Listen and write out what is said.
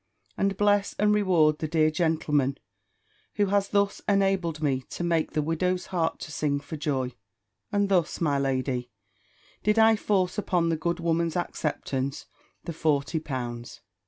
And bless and reward the dear gentleman, who has thus enabled me to make the widow's heart to sing for joy!" And thus, my lady, did I force upon the good woman's acceptance the forty pounds.